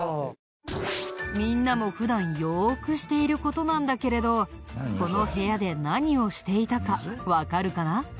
みんなも普段よくしている事なんだけれどこの部屋で何をしていたかわかるかな？